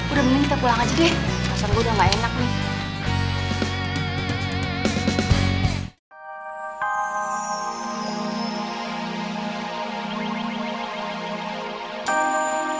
udah mending kita pulang aja deh